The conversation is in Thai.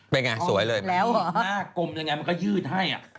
เป็นยังไงสวยเลยอ๋อมีหน้ากมมันก็ยืดให้อะ